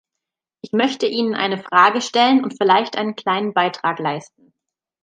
Ich möchte Ihnen eine Frage stellen und vielleicht einen kleinen Beitrag leisten.